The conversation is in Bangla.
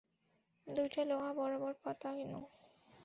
দুইটা লোহা বরাবর পাতা কেন?